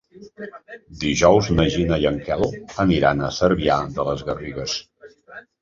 Dijous na Gina i en Quel aniran a Cervià de les Garrigues.